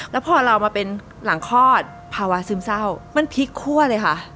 แล้วพอเรามาเป็นหลังคลอดภาวะซึมเศร้ามันพลิกคั่วเลยค่ะ